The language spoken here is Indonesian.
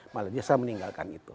malah dia selalu meninggalkan itu